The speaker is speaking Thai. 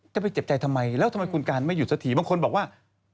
จะไปเจ็บใจทำไมแล้วทำไมคุณการไม่หยุดสักทีบางคนบอกว่า